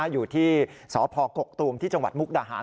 อยู่ที่สพกกตูมที่จังหวัดมุกดาหาร